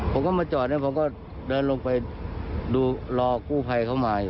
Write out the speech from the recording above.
ผมก็มาจอดเขาก็เดินลงไปรอกู้ไฟเข้ามาอยู่